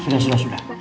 sudah sudah sudah